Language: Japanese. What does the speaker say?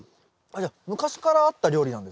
じゃあ昔からあった料理なんですか？